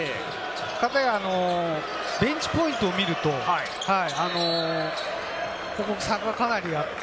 かたやベンチポイントを見ると、ここ差が、かなりあって。